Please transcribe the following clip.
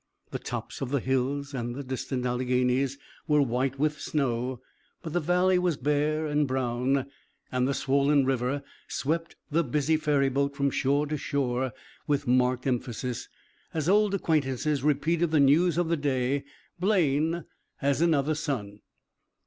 The tops of the hills and the distant Alleghanies were white with snow, but the valley was bare and brown, and the swollen river swept the busy ferry boat from shore to shore with marked emphasis, as old acquaintances repeated the news of the day, 'Blaine has another son.'"